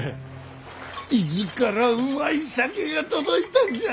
伊豆からうまい酒が届いたんじゃ。